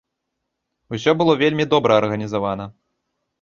Усё было вельмі добра арганізавана.